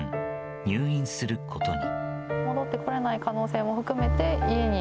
入院することに。